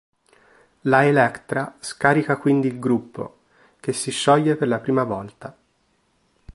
La Elektra scarica quindi il gruppo, che si scioglie per la prima volta.